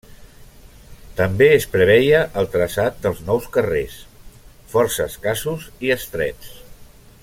També es preveia el traçat dels nous carrers, força escassos i estrets.